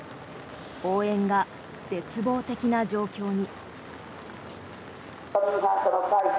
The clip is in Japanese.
応援が絶望的な状況に。